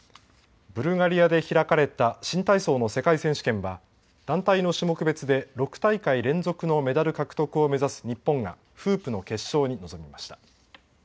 ブルガリアで開かれた新体操の世界選手権は団体の種目別で６大会連続のメダル獲得を目指す日本がフープの決勝に臨みました。